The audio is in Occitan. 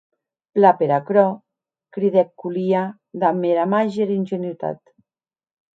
Plan per aquerò, cridèc Kolia damb era màger ingenuitat.